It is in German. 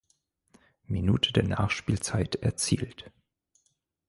Minute der Nachspielzeit erzielt.